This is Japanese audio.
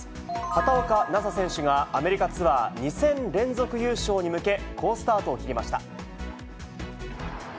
畑岡奈紗選手が、アメリカツアー２戦連続優勝に向け、好スタートを切りました。